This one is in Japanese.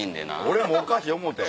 俺もおかしい思うたんや。